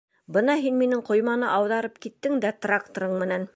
Бына һин минең ҡойманы ауҙарып киттең дә тракторың менән...